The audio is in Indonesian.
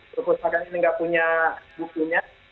perpustakaan ini nggak punya bukunya